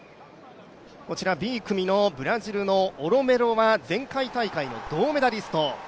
こちら、Ｂ組のブラジルのオロメロは前回大会の銅メダリスト。